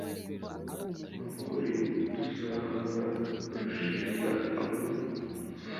ni ukuri tuzahabarushiriza amaboko